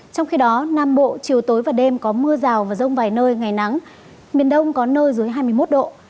trong khi đó nam bộ chiều tối và đêm có mưa rào và rông vài nơi ngày nắng miền đông có nơi dưới hai mươi một độ